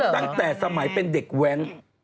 ตั้งแต่สมัยเป็นเด็กแว้น